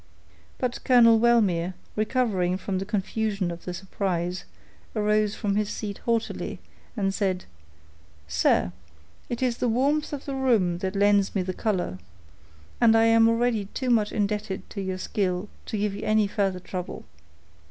But Colonel Wellmere, recovering from the confusion of the surprise, arose from his seat haughtily, and said,— "Sir, it is the warmth of the room that lends me the color, and I am already too much indebted to your skill to give you any further trouble.